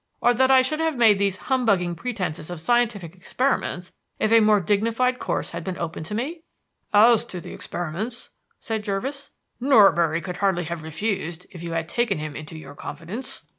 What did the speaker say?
Or that I should have made these humbugging pretenses of scientific experiments if a more dignified course had been open to me?" "As to the experiments," said Jervis, "Norbury could hardly have refused if you had taken him into your confidence."